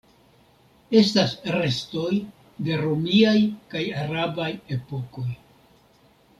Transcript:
Estas restoj de romiaj kaj arabaj epokoj.